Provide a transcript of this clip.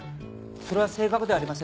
それは正確ではありません。